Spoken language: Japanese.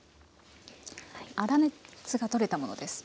粗熱が取れたものです。